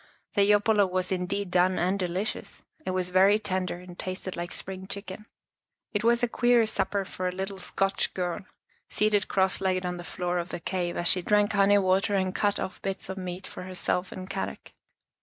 The yopolo was indeed done and delicious. It was very tender and tasted like spring chicken. It was a queer supper for the little Scotch girl, seated cross legged on the floor of the cave, as she drank honey water and cut off bits of meat for herself and Kadok.